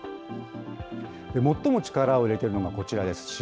最も力を入れているのがこちらです。